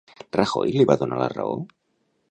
Rajoy li va donar la raó?